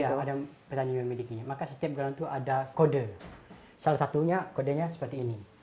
iya ada petani yang memilikinya maka setiap ground itu ada kode salah satunya kodenya seperti ini